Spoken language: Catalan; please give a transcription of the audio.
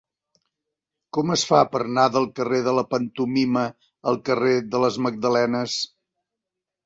Com es fa per anar del carrer de la Pantomima al carrer de les Magdalenes?